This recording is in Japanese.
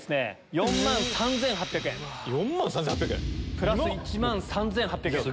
４万３８００円⁉プラス１万３８００円。